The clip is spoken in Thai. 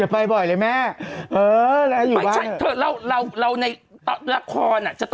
ให้มันมีบรรยากาศน่าเข็ดขาว